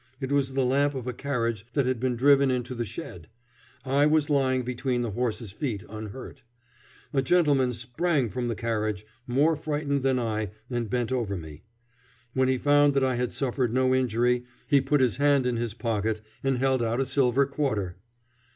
It was the lamp of a carriage that had been driven into the shed. I was lying between the horse's feet unhurt. A gentleman sprang from the carriage, more frightened than I, and bent over me. When he found that I had suffered no injury, he put his hand in his pocket and held out a silver quarter.